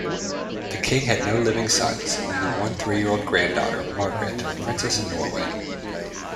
The king had no living sons, only one three-year-old granddaughter, Margaret, princess of Norway.